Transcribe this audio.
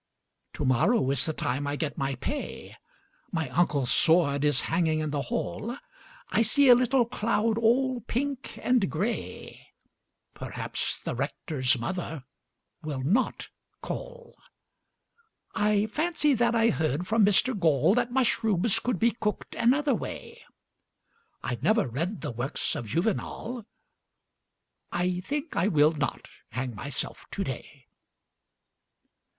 Tomorrow is the time I get my pay My uncle's sword is hanging in the hall I see a little cloud all pink and grey Perhaps the Rector's mother will not call I fancy that I heard from Mr Gall That mushrooms could be cooked another way I never read the works of Juvenal I think I will not hang myself today.